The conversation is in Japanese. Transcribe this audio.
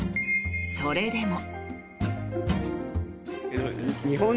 それでも。